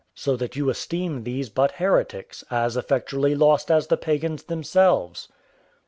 so that you esteem these but heretics, as effectually lost as the pagans themselves."